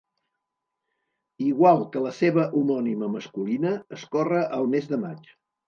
Igual que la seva homònima masculina, es corre el mes de maig.